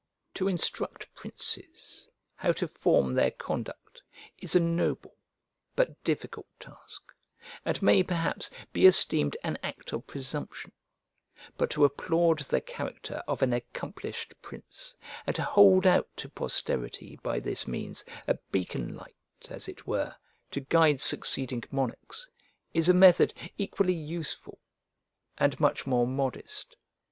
To instruct princes how to form their conduct, is a noble, but difficult task, and may, perhaps, be esteemed an act of presumption: but to applaud the character of an accomplished prince, and to hold out to posterity, by this means, a beacon light as it were, to guide succeeding monarchs, is a method equally useful, and much more modest.